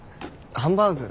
ハンバーグ。